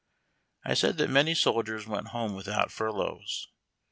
I said that many soldiers went home without furloughs.